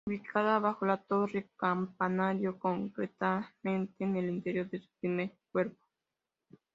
Ubicada bajo la torre-campanario, concretamente en el interior de su primer cuerpo.